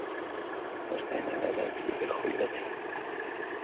وَاسْتَعِنْ عَلَى الْعَدْلِ بِخُلَّتَيْنِ